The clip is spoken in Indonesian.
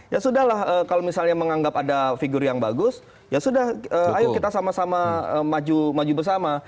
ya sudah lah kalau misalnya menganggap ada figur yang bagus ya sudah ayo kita sama sama maju bersama